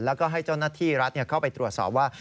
แล้วก็ให้เจ้าหน้าที่รัฐเข้าไปตรวจสอบว่า